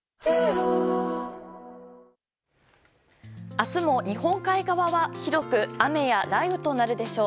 明日も、日本海側は広く雨や雷雨となるでしょう。